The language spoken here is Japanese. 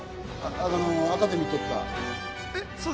アカデミー取った。